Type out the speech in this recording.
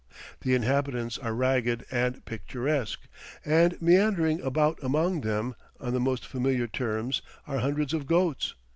The inhabitants are ragged and picturesque, and meandering about among them, on the most familiar terms, are hundreds of goats.